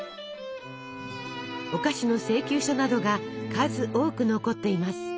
お菓子の請求書などが数多く残っています。